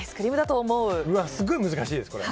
すごい難しいです、これ。